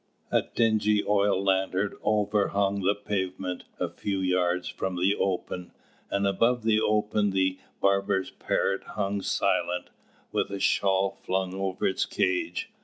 A dingy oil lantern overhung the pavement a few yards from the ope, and above the ope the barber's parrot hung silent, with a shawl flung over its cage.